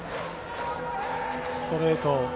ストレート